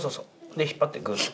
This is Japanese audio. で引っ張ってグッと。